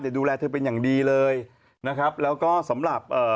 แต่ดูแลเธอเป็นอย่างดีเลยนะครับแล้วก็สำหรับเอ่อ